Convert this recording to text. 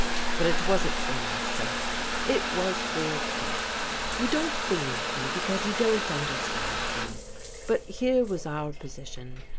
But it wasn't for myself, it was for Peg. You don't believe me because you don't understand me. But here was our position.